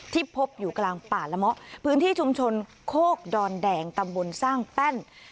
พบอยู่กลางป่าละเมาะพื้นที่ชุมชนโคกดอนแดงตำบลสร้างแป้น